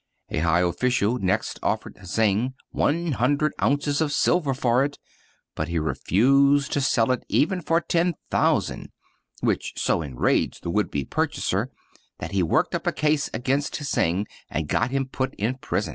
A high official next offered Hsing one hundred ounces of silver for it ; but he refused to sell it even for ten thousand, which so enraged the would be purchaser that he worked up a case against Hsing * and got him put in prison.